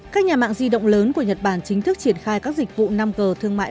các nhà mạng di động lớn của nhật bản chính thức triển khai các dịch vụ năm g thương mại